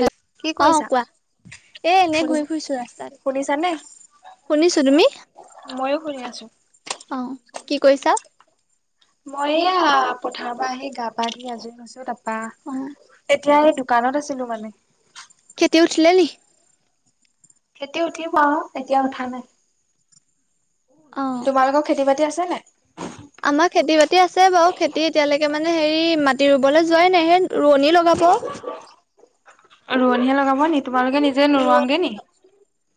হে কি অ', কৰিছা? কোৱা এ এনে শুনিছ ঘুৰি ফুৰিছো শুনিছানে? ৰাস্তাত। শুনিছো তুমি ময়ো ঘূৰি আছোঁ। অ', কি কৈছা? মই এয়া, পথাৰৰ পৰা আহি গা পা ধুই আজৰি হৈছো তাপা অ এতিয়া এই দ কানত আছিলো মানে। খেতি উঠিলে নি? খেতি উঠিব আৰু এতিয়া উঠা নাই। অ তোমালোকৰ খেতি বাতি আছে নাই? আমাৰ খেতি বাতি আছে বাৰু। খেতি এতিয়ালৈকে মানে, হেৰি মাটি ৰুবলৈ যোৱাই নাই সেই ৰোৱনি লগাব। ৰোৱণীয়ে লগাব নি। তোমালোকে নিজ ৰোৱনী লগাব।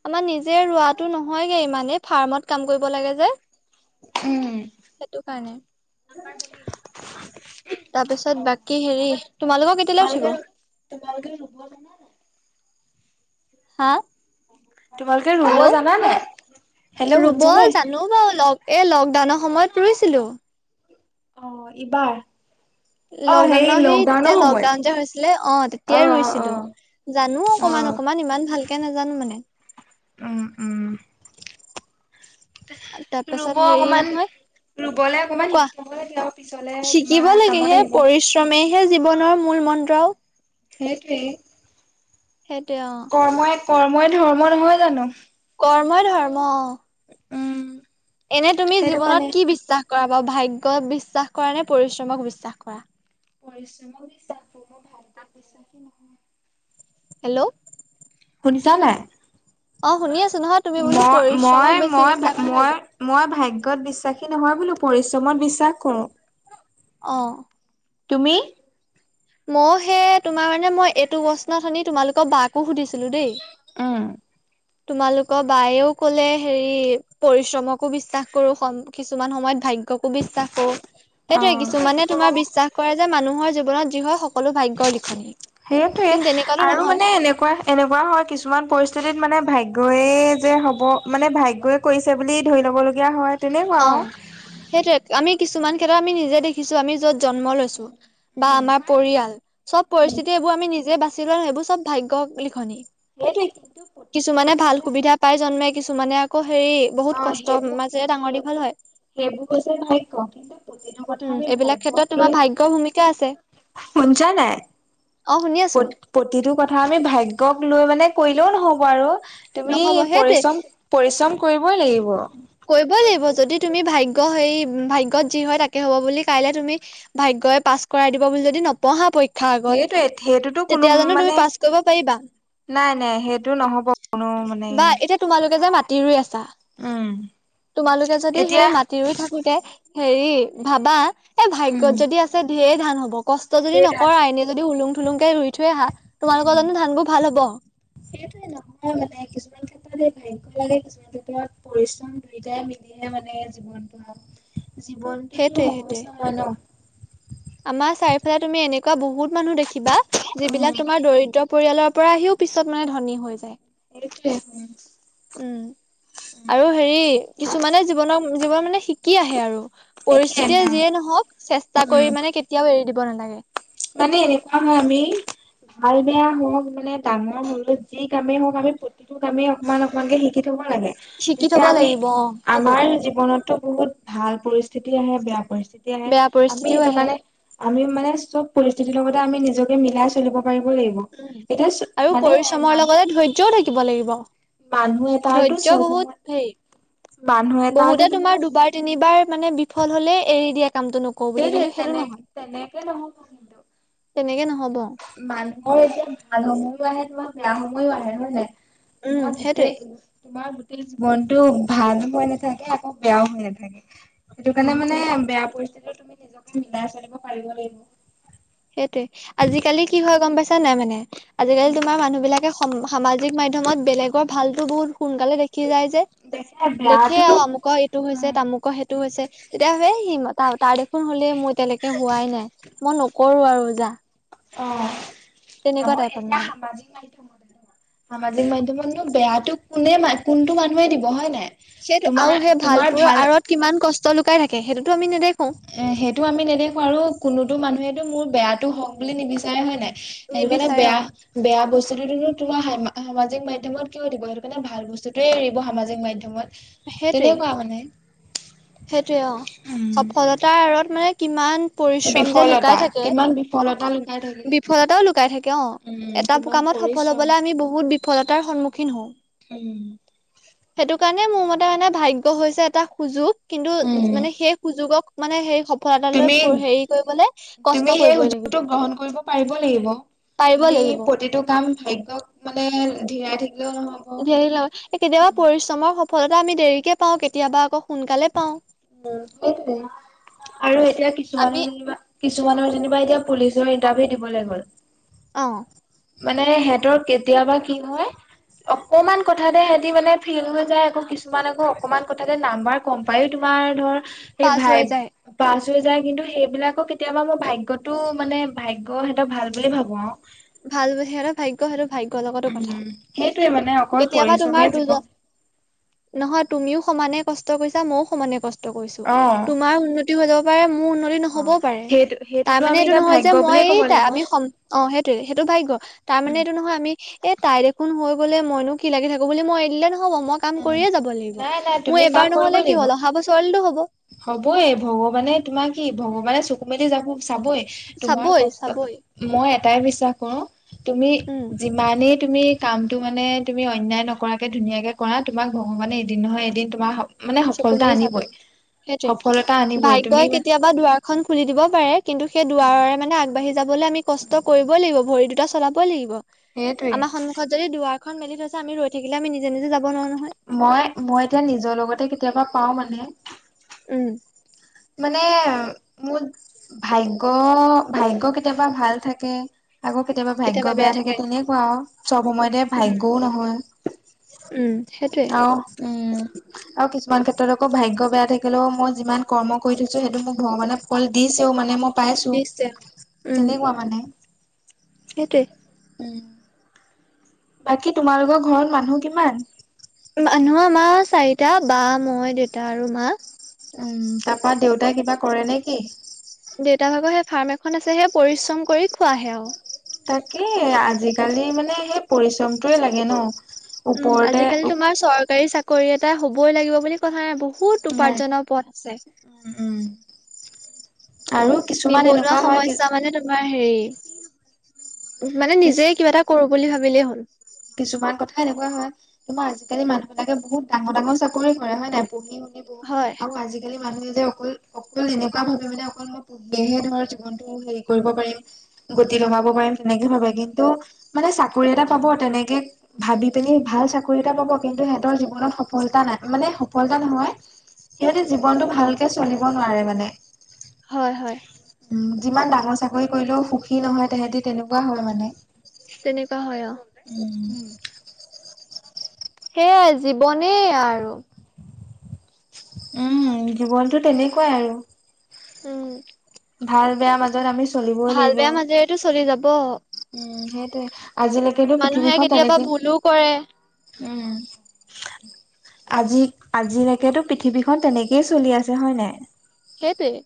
আমাৰ নিজে ৰোৱাাতটো নহয়গে মানে, ফাৰ্মত কাম কৰিব লাগে যে। উম। সেইটোকাৰনে। তাৰপিছত বাকী হেৰি, তোমালোকৰ কেতিয়ালৈ উঠিব? তোমালোকে‌‌ ৰুব জানা নাই? হা। তোমালোকে ৰুব হেল্ল' জানা নাই। হেল্ল' শুনিছানে? ৰুও বাৰু অলপ। এই লকডাউনৰ সময়ত ৰুইছিলো। অ', ইবাৰ। লকডাউনৰ, সেই তেতিয়া সময়ত লকডাউন যে হৈছিলে, অ', তেতিয়াই অ অ ৰুইছিলো। জানো অ অকমান-অকমান ইমান ভালকে নাজানো মানে। উম উম। তাৰপাছত হেৰি নহয়। ৰুবলৈ অকমান কোৱা। শিকি থব লাগে আৰু পিছলে শিকিব তোমাৰ লাগে হে কামত আহিব। পৰিশ্ৰমেহে জীৱনৰ মূল মন্ত্ৰ। নেটি সেইটো অ কৰ্মই কৰ্মই ধৰ্ম নহয় জানো কৰ্ম ই ধৰ্ম উম এনে তুমি সেইটো কাৰণে জীৱনত কি বিশ্বাস কৰা ব ভাগ্য বিশ্বাস কৰা নে পৰিশ্ৰমক বিশ্বাস কৰা পৰিশ্ৰমক বিশ্বাস বোৰ মই ভাল পত বিশ্বাসী নহয় হেল্ল' শুনিছা নাই অ শুনি আছো নহয় তুমি বোলো পৰিশ্ৰমক মই বেছি মই বিশ্বাস মই নাইত মই মই ভাগ্যত বিশ্বাসী নহয় বোলো পৰিশ্ৰমত বিশ্বাস কৰো অঁ তুমি মই সে তোমাৰ মানে মই এইটো প্ৰশ্ন তোমালোকৰ বাকো সুধিছিলো দেই উম তোমালোকৰ বায়েও কলে হেৰি পৰিশ্ৰমকো বিশ্বাস কৰো কিছুমান সময়ত ভাগ্য বিশ্বাস কৰো সেইটোয়ে কিছুমানে তোমাৰ অ বিশ্বাস কৰে যে মানুহৰ জীৱনত যি হয় সকলো ভাগ্যয়ৰ লিখনি সেইটোৱে কিন্তু তেনেকুৱাতো আৰু নহয় মানে এনেকুৱা এনেকুৱা হয় কিছুমান পৰিস্থিতিত মানে ভাগ্যই যে হ'ব মানে ভাগ্যই কৰিছে বুলি ধৰি ল'ব লগীয়া হয় তেনেকুৱা অ সেইটোৱ আমি কিছুমান ক্ষেত্ৰ আমি নিজে দেখিছো আমি য'ত জন্ম লৈছো বা আৰু আমাৰ পৰিয়াল চব পৰিস্থিতি এইবোৰ আমি নিজে আ সেইবোৰ চব ভাগ্য লিখনি সেইটোৱে কিন্তু প্ৰতিটো কিছুমানে কথা ভাল যে সুবিধা পাই জন্মে কিছু মানে আকৌ হেৰি অ বহুত কষ্ট সেইবোৰ মাজেৰে ডাঙৰ দিঘ সেইবোৰ সেইবোৰ হৈছে ভাগ্য কিন্তু প্ৰতিটো কথা উম আমি এইবিলাক ভাগ্ৰ্ক ক্ষেত্ৰত তোমাৰ লৈ ভাগ্যৰ ভূমিকা আছে সোনিছা নাই অ শুনি আছো প্ৰতি প্ৰতিটো কথা আমি ভাগ্যক লৈ মানে কৰিলেও নহব আৰু তুমি নহ'ব সেইটোৱে পৰিশ্ৰম পৰিশ্ৰম কৰিবই লাগিব কৰিবই‌ লাগিব যদি তুমি ভাগ্য সেই ভাগ্যত যি হয় তাকে হ'ব বুলি কাইলে তুমি ভাগ্যয়ই পাছ কৰাই দিব বুলি যদি নপঢ়া পৰীক্ষ ভাগত সেইটোৱে সেইটোতো কোনো তেতিয়া জানো মানে তুমি পাছ কৰিব পাৰিবা নাই নাই সেইটো নহ'ব কোনো মানে বা এতিয়া তোমালোকে যে মাটি ৰুই আছা উম তোমালোকে যদি এতিয়া সেই মাটি ৰুই থাকোতে হেৰি ভাবা এ ভাগ্যত উম যদি আছে ধেৰ ধান হব কষ্ট যদি সেই ধান নকৰা এইনে যদি উলুং থুলুংকে ৰুই থৈ আহা তোমালোকৰ জানো ধানবোৰ ভাল হব সেইটোয়ে নহয় মানে কিছুমান ক্ষেত্ৰত এই ভাগ্য লাগে কিছুমান এতিয়া পৰিশ্ৰম দুয়োটাই মিলিহে মানে জীৱনটো আও জীৱনটোতো সেইটোৱে সেইটোৱে সহজ নহয় ন আমাৰ চাৰিওফালে তুমি এনেকুৱা বহুত মানুহ দেখিবা উম যিবিলাক তোমাৰ দৰিদ্ৰ পৰিয়ালৰ পৰা আহিও পিছত মানে ধনী হৈ যায়। সেইটোৱে উম আৰু হেৰি কিছুমানে জীৱনৰ জীৱন মানে শিকি আহে আৰু একে পৰিস্থিতিয়ে যিয়ে নহওঁক চেষ্টা উম কৰি মানে কেতিয়াও এৰি দিব নালাগে মানে এনেকুৱা হয় আমি ভাল বেয়া হওঁক মানে ডাঙৰ সৰু যি কামেই হওঁক, আমি প্ৰতিটো কামেই অকমান অকমানকে শিকি শিকি থ'ব লাগে শিকি তেতিয়া থব আমি লাগিব অ সেইটোৱে আমাৰ জীৱনত জীৱনটো বহুত ভাল পৰিস্থিতি আহে, বেয়া পৰিস্থিতি আহে, বেয়া আমি পৰিস্থিতিও সেইটো আহে কাৰণে আমি মানে চ'ব পৰিস্থিতিৰ লগতে আমি নিজকে মিলাই চলিব পাৰিব লাগিব। উম এতিয়া চো মানে কিয় থাকিব লাগিব। মানুহে ধৈৰ্য্য বহুত হেৰি মানুহ এটাৰতো বহুতে তোমাৰ দুবাৰ তিনিবাৰ মানে বিফল হ'লে এৰি দিয়ে কামতটো নকৰি। সেই টোৱেই তেনেকে তেনেকে নহ'ব। তেনেকে নহ'ব। মানুহৰ এতিয়া ভাল সময়ো আহে, তোমাৰ বেয়া সময়ো আহে, হয় না। উম মই সেইটোৱে গোটেই তোমাৰ গোটেই জীৱনটো ভাল হৈ নাথাকে, আকৌ বেয়াও হৈ নাথাকে। সেইটো উম কাৰণে মানে বেয়া পৰিস্থিতিও তুমি নিজকে মিলাই চলিব পাৰিব লাগিব। সেইটোৱে আজিকালি কি হয় গ'ম পাইছা নাই মানে আজিকালি উম, তোমাৰ মানুহ বিলাকে সামাজিক মাধ্যমত বেলেগৰ ভালতো বহুত সোনকালে দেখি যায় যে। দেখে আৰু অমুকৰ এইটো হৈছে, তামুকৰ সেইটো হৈছে, তেতিয়া ভাবে তাৰ দেখোন হ'লেই মোৰ এতিয়ালৈকে হোৱাই নাই মই নকৰো আৰু যা। অ' তেনেকুৱা নহয় টাইপত এতিয়া মানে সামাজিক মাধ্যমত। সামাজিক মাধ্যমতনো বেয়াটো কোনে কোনটো মানুহে দিব হয় নাই। সেইটো তোমাৰ আৰু সেই তোমাৰ ভালটোৰ ভাল আঁৰত কিমান কষ্ট লুকাই থাকে, সেইটোতো আমি নেদেখো। সেইটো আমি নেদেখো আৰু কোনোতো মানুহেটো মোৰ বেয়াটো হওঁক বুলি নিবিচাৰে হয় নাই। সেইটো কাৰণে নিবিচাৰে অ বেয়া। বেয়া বস্তুটোনো সামাজিক মাধ্যমত কিয় দিব, সেইটো কাৰণে ভাল বস্তুতোৱে এৰিব সামাজিক মাধ্যমত। সেইটোৱে তেনেকুৱা মানে। সেইটোৱে অ' সফলতাৰ আঁৰত মানে কিমান পৰিশ্ৰম যে লুকাই বিফলতা থাকে, কিমান বিফলতা লুকাই থাকে বিফলতাও লুকাই থাকে অ'। উম এটা কিমান কামত সফল পৰিশ্ৰম হ'বলৈ আমি বহুত বিফলতাৰ সন্মুখীন হওঁ। উম। সেইটো কাৰণে মোৰ মতে মানে ভাগ্য হৈছে এটা সুযোগ, কিন্তু উম মানে সেই সুযোগক মানে হেই সফলতা তুমি লৈ হেৰি কৰিবলে কষ্ট তুমি সেই কৰিবই লাগিব। সুযোগটো গ্ৰহণ কৰিব পাৰিব লাগিব পাৰিব তুমি লাগিব প্ৰতিটো কাম ভাগ্যক মানে ধীৰাই থাকি। ধৰি লোৱা কেতিয়াবা পৰিশ্ৰমৰ সফলতা আমি দেৰিকে পাওঁ, কেতিয়াবা আকৌ সোনকালে পাওঁ। উম, সেইটোৱে আৰু এতিয়া আমি কিছুমানে যেনিবা কিছুমানৰ যেনিবা এতিয়া পুলিচৰ ইণ্টাৰভিউ দিবলৈ গ'ল। অ' মানে সিহঁতৰ কেতিয়াবা কি হয়। অকমান কথাতে সিহঁতি মানে ফেইল হৈ যায়, আকৌ কিছুমান আকৌ অকমান কথাতে নাম্বাৰ গ'ম পাইয়ো তোমাৰ ধৰ এই পাছ হৈ ভাইব যায় পাছ হৈ যায়, কিন্তু সেইবিলাকক কেতিয়াবা মই ভাগ্যটো মানে ভাগ্য সিহঁতৰ ভাল বুলি ভাবোঁ আও। ভাল সিহঁতৰ ভাগ্য সেইটো ভাগ্যৰ লগতো কথা সেইটোৱেই মানে অ কেতিয়াবা তোমাৰ দুজন নহয় তুমিও সমানে কষ্ট কৰিছা ময়ো সমানে কষ্ট। ত কৈছো অ তোমাৰ উন্নতি হৈ যাব পাৰে, মোৰ উন্নতি অ', নহ'বও পাৰে। সেইটো তাৰ সেইটোতো মানে আমি এইটো এতিয়া নহয় যে ভাগ্য বুলিয়ে ক'ব মইয়েই তা লাগিব আমি সম অ' সেইটোয়ে সেইটো ভাগ্য। তাৰ উম মানে এইটো নহয় আমি এ তাই দেখোন হৈ গ'লে মইনো কি লাগি থাকো বুলি মই এৰি দিলে নহ নহ'ব মই কাম উম কৰিয়ে যাব লাগিব। নাই নাই মোৰ তুমি এবাৰ নহ'লে কি হ'ল অহা বছৰলেটো হ'ব। হবয়ে ভগৱানে তোমাৰ কি ভগৱানে চুকু মেলি যাব চাবই তোমাৰ চাবই কষ্ট চাবই মই এটাই বিশ্বাস কৰো, তুমি উম যিমানেই তুমি কামটো মানে তুমি অন্যায় নকৰাকে ধুনীয়াকে কৰা তোমাক ভগৱানে এদিন নহয় এদিন তোমাৰ স মানে চকু সফলতা মেলি আনিবই। চাবই সফলতা আনিবই তুমি মানে বা দুৱাৰখন খুলি দিব পাৰে কিন্তু সেই দুৱাৰৰে মানে আগবাঢ়ি যাবলৈ আমি কষ্ট কৰিবই লাগিব, ভৰি দুটা চলাবই লাগিব। সেইটোৱে আমাৰ সন্মু খ যদি দুৱাৰখন মেলি থৈছে আমি ৰৈ থাকিলে আমি নিজে নিজে যাব নোৱাৰো নহয়। মই মই এতিয়া নিজৰ লগতে কেতিয়াবা পাওঁ মানে। উম। মানে মোত ভাগ্য, ভাগ্য কেতিয়াবা ভাল থাকে। আকৌ কেতিয়াবা ভাগ্য বেয়া থাকে তেনেকুৱা আৰু চব সময়তে উম ভাগ্যও নহয়। উম, সেইটোৱেই। অ' উম, আৰু কিছুমান ক্ষেত্ৰত আকৌ ভাগ্য বেয়া থাকিলেও মই যিমান কৰ্ম কৰি থৈছোঁ সেইটো মোক ভগৱানে ফল দিছেও মানে মই পাইছোঁ, নিশ্চয় তেনেকুৱা মানে। সেইটোৱেই। উম। বাকী তোমালোকৰ ঘৰত মানুহ কিমান? মানুহ আমাৰ চাৰিটা। বা, মই, দেউতা আৰু মা। উম, তাৰপা দেউতাই কিবা কৰে নে কি? দেউতাৰ ভাগৰ সেই ফাৰ্ম এখন আছে হে পৰিশ্ৰম কৰি খোৱাহে আও। তাকে, আজিকালি মানে সেই পৰিশ্ৰমটোৱে লাগে ন'। উম, ওপৰতে আজিকালি তোমাৰ চৰকাৰী চাকৰি এটা হ'বই লাগিব বুলি কথা নাই, বহুত নাই উপাৰ্জনৰ পথ আছে। উম, উম। আৰু কিছুমান নিৱনুৱা এনেকুৱা হয় কি সমস্যা মানে তুমি তোমাৰ হেৰি, মানে কিছ নিজে কিবা এটা কৰোঁ বুলি ভাবিলেই হ'ল। কিছুমান কথা এনেকুৱা হয় তোমাৰ আজিকালি উম মানুহবিলাকে বহুত ডাঙৰ ডাঙৰ চাকৰি কৰে হয় নাই পঢ়ি শুনি। হয় আৰু আজিকালি মানুহে যে অকল অকল এনেকুৱা ভাৱে মানে অকল মোৰ হেহে ধৰ জীৱনটো হেৰি কৰিব পাৰিম। গতি লগাব পাৰিম তেনেকে ভাৱে কিন্তু মানে চাকৰি এটা পাব তেনেকে ভাবি পিনি ভাল চাকৰি এটা পাব কিন্তু সিহঁতৰ জীৱনত সফলতা নাই মানে সফলতা নহয়। সিহঁতে জীৱনটো অ ভালকে চলিব নোৱাৰে মানে। হয় হয়। উম, যিমান ডাঙৰ চাকৰি কৰিলেও সুখী নহয় তেহেতি তেনেকুৱা হয় মানে। তেনেকুৱা হয় অ'। সেয়াই জীৱনে আৰু। উম, জীৱনতটো তেনেকুৱাই আৰু। উম। ভাল বেয়াৰ মাজত আমি চলিবই ভাল লাগিব বেয়া মাজেৰেতো চলি যাব। উম, সেইটোৱে। আজিলৈকেতো মানুহে পৃথিৱীখন কেতিয়াবা তেনেকে ভুলো কৰে উম। আজি, আজিলৈকেতো পৃথিৱীখন তেনেকেই চলি আছে হয় নাই। সেইটোয়ে।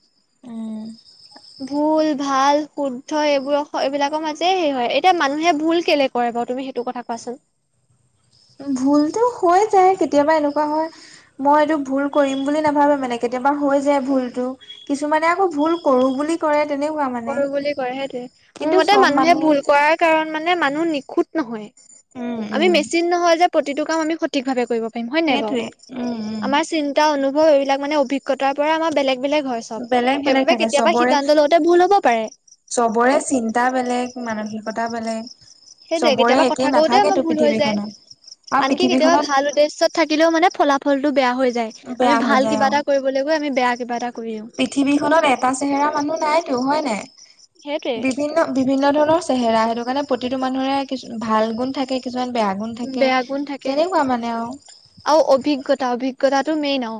ভুল, ভাল, শুদ্ধ এইবোৰ এইবিলাকৰ মাজেৰে হে হয়। এতিয়া মানুহে ভুল কেলে কৰে বা তুমি সেইটো কথা কোৱাচোন। ভুলতো হৈ যায়। কেতিয়াবা এনেকুৱা হয় মই এইটো ভুল কৰিম বুলি নাভাবে মানে, কেতিয়াবা হৈ যায় ভুলটো। কিছুমানে আকৌ ভুল কৰোঁ বুলি কৰে তেনেকুৱা মা কৰোঁ বুলি কৰে সেইটোয়ে। মোৰ মতে মানুহে ভুল কৰাৰ কাৰন মানে মানুহ নিষোধ নহয়। উম আমি উম মেছিন নহয় যে প্ৰতিটো কাম সঠিক ভাৱে কৰিব পাৰিম। হয়নে নাই সেইটোৱে বাৰু উম আমাৰ উম এটা অনুভৱ এইবিলাক মানে অভিজ্ঞতাৰ পৰা আমাৰ বেলেগ বেলেগ হয় সব বেলেগ বেলেগ সেইবাবে থাকে কেতিয়াবা চবৰে সিদ্ধান্ত লওঁতে ভুল হ'ব পাৰে চবৰে চিন্তা বেলেগ। মানসিকতা বেলেগ। সেইটোয়ে চবৰে কেতিয়াবা কথা একেই কওতে নাথাকেতো আমাৰ ভুল হৈ পৃথিৱীখনত আৰু যায়। আনকি কেতিয়াবা পৃথিৱীখনত ভাল উদ্দেশ্যয়ত থাকিলেও মানে ফলাফলতটো বেয়া হৈ যায়। আমি বেয়া হৈ ভাল যায় অ কিবা এটা কৰিবলৈ গৈ আমি বেয়া কিবা এটা কৰিও [inaudible] এটা চেহেৰা মানুহ নাইতো হয় নাই সেইটোৱে বিভিন্ন বিভিন্ন ধৰণৰ চেহেৰা সটো কাৰণে প্ৰতিতটো মানুহৰে কিছু ভাল গুণ থাকে কিছুমান বেয়া গুণ থাকে বেয়া গুণ থাকে তেনেকুৱা মানে আৰু আৰু অভিজ্ঞতা অভিজ্ঞতাটো মেইন অ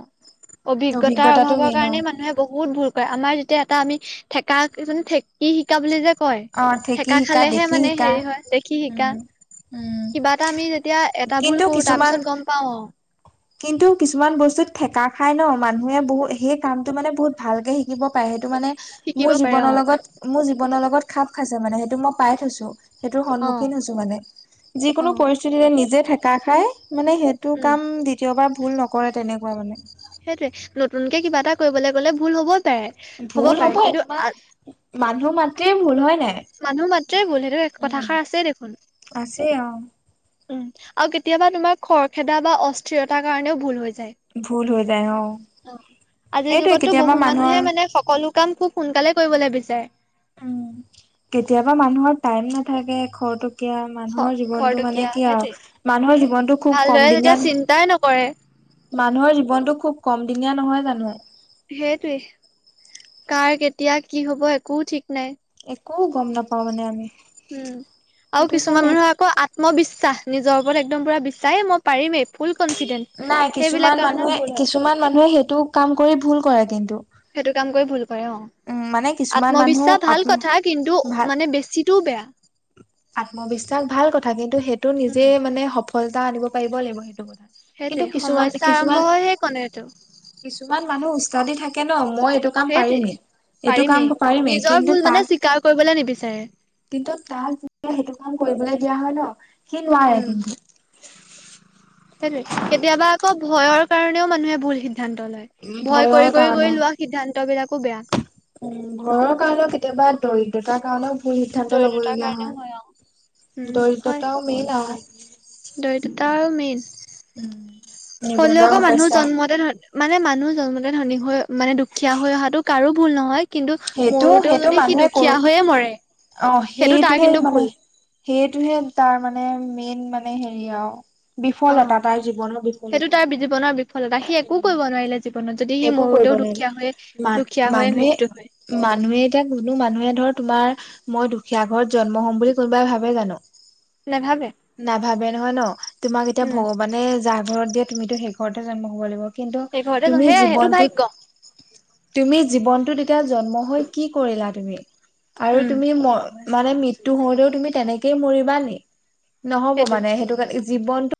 অভিজ্ঞতাৰ অভিজ্ঞতাটো অভাৱৰ মেইন আৰু কাৰণে মানুহে বহুত ভুল আমাৰ যেতিয়া এটা আমি ঠেকা [inaudible] কি শিকা বুলি যে কয় অ ঠেকি সেকা শিকা খালেহে দেখি মানে শিকা হেৰি হয় দেখি শিকা। উম উম কিব কিন্তু কিছুমান কিন্তু কিছুমান বস্তুত থেকা খাই ন মানুহে বহু সেই কামটো মানে বহুত ভালকে শিকিব পাৰে। সেইটো মানে শিকিব মোৰ পাৰে অ জীৱনৰ লগত মোৰ জীৱনৰ লগত খাপ খাইছে। মানে সেইটো মই পাই থৈছো। সেইটোৰ অ সন্মুখীন হৈছো মানে অ যিকোনো পৰিস্থিতিতে নিজে ঠেকা খাই মানে সেই তোৰ উম কাম দ্বিতীয়বাৰ ভুল নকৰে তেনেকুৱা মানে। সেইটোৱে নতুনকে কিবা এটা কৰিবলৈ গলে ভুল হবই পাৰে। ভুল পাৰে হ'ব কিন্তু তোমাৰ আ মানুহ মাতৃয়ে ভুল হয় নাই। মানুহ মাত্ৰেই ভুল সেইটো উম কথাষাৰ আছেই দেখোন। আছে অ উম, আৰু কেতিয়াবা তোমাৰ খৰখেদা বা অস্থিৰতাৰ কাৰণেও ভুল হৈ যায়। ভুল হৈ যায় অ অ' আজিৰ সেইটোৱে যুগতটো কেতিয়াবা বহু মানুহে মানুহৰ মানে সকলো কাম খুব সোনকালে কৰিবলৈ বিচাৰে উম, কেতিয়াবা মানুহৰ টাইম নাথাকে খৰতোক এয়া মানুহৰ জীৱনতটো মানে খৰতকীয়া কি সেইটোৱে আৰু মানুহৰ জীৱনতটো খুব কম ভালদৰে যেতিয়া দিনীয়া চিন্তাই নকৰে মানুহৰ জীৱনতটো খুব কমদিনীয়া নহয় জানো। সেইটোৱে কাৰ কেতিয়া কি হব একো ঠিক নাই। একো গম নাপাওঁ মানে আমি। উম, আৰু সেইটো কিছুমান কাৰণে মানুহে আকৌ আত্ম বিশ্বাস নিজৰ ওপৰত একদম পুৰা বিশ্বাস এই মই পাৰিমেই। [inaudible] নাই সেইবিলাক কিছুমান কাৰণত মানুহে ভুল হয় কিছুমান মানুহে সেইটো কাম কৰি ভুল কৰে কিন্তু। সেইটো কাম কৰি ভুল উম মানে অ কিছুমান মানুহ আত্মবিশ্বাস ভাল আত্ম কথা কিন্তু ভাল মানে বেছিটোও বেয়া। আত্মবিশ্বাস ভাল কথা কিন্তু সেইটো নিজে উম, মানে সফলতা আনিব পাৰিব লাগিব। সেইটো কথাাত সেইটোৱে সমস্যা আৰম্ভ হয় সেই কনে টো। কিছুমান মানুহ উস্তদী থাকে ন। মই এইটো কাম সেইটোৱে। পাৰিমেই। এইটো পাৰিমেই কাম পাৰিমেই নিজৰ কিন্তু ভুল মানে তাক স্বীকাৰ কৰিবলৈ নিবিচাৰে। কিন্তু তাক যে সেইটো কাম কৰিবলৈ দিয়া হয় ন সি নোৱাৰে উম, কিন্তু। সেইটোৱে। কেতিয়াবা আকৌ ভয়ৰ কাৰণেও মানুহে ভুল সিদ্ধান্ত লয়। ভয় ভয়ৰ কাৰণে কৰি-কৰি-কৰি লোৱা সিদ্ধান্ত বিলাকো বেয়া। উম, ঘৰৰ কাৰণেও, কেতিয়াবা দৰিদ্ৰতাৰ কাৰণেও। ভুল সিদ্ধান্ত ল'ব দৰিদ্ৰতাৰ লগীয়া কাৰণেও অ'। হয়। উম, হয় দৰিদ্ৰতাও মেইন হয়। দৰিদ্ৰতা আৰু মেইন। হলেও নিবনুৱা আকৌ মানুহ সমস্যা জন্মতে ধনী মানে মানুহ জন্মতে ধনী হৈ মানে, দুখীয়া হৈ অহাটো কাৰো ভুল নহয়। কিন্তু, সেইটো ম'ৰোতেও সেইটো যদি সি মানুহে কৰো দুখীয়া হৈয়ে ম'ৰে, অ, সেইটো তাৰ সেইটোহে কিন্তু মানে ভুল সেইটোহে তাৰ মানে, মেইন মানে হেৰি আৰু। অ'। বিফলতা তাৰ জীৱনৰ সেইটো তাৰ জীৱনৰ বিফলতা বিফলতা। সি একো কৰিব নোৱাৰিলে জীৱনত যদি সি একো কৰিব মৰোতেও দুখীয়া হৈ নোৱাৰিলে। মান দুখীয়া হৈ মানুহে, মৃত্যু হয় মানুহে, এতিয়া কোনো মানুহে ধৰ তোমাৰ মই দুখীয়া ঘৰত জন্ম হ'ম বুলি কোনোবাই ভাবে জানো? [unintelligible] নাভাবে নহয় ন। তোমাক এতিয়া উম ভগৱানে যাৰ ঘৰত দিয়ে তুমিতো সেই ঘৰতে জন্ম হ'ব লাগিব। কিন্তু সেই ঘৰতে তুমি সেয়াই সেইটো জীৱনটোত ভাগ্য তুমি জীৱনটোত এতিয়া জন্ম হৈ কি কৰিলা তুমি। আৰু উম তুমি ম মানে মৃত্যু হওঁতেও তুমি তেনেকেই মৰিবানে নেকি? ন'হব সেইটোৱে মানে সেইটো কাৰণে জীৱনতটো